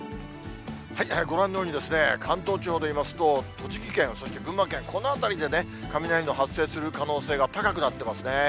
ご覧のように、関東地方でいいますと、栃木県、そして群馬県、この辺りでね、雷の発生する可能性が高くなってますね。